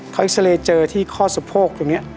เขาเอ็กซาเรย์เจอที่ข้อสะโพกตรงนี้